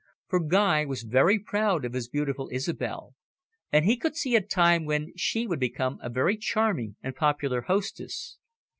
For Guy was very proud of his beautiful Isobel, and he could see a time when she would become a very charming and popular hostess.